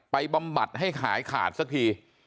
บำบัดให้ขายขาดสักที